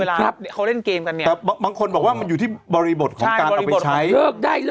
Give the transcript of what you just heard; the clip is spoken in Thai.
สำหรับระบบเล่นเกมกันเบาะมันก็อยู่ที่บริบทของการตัวไปใช้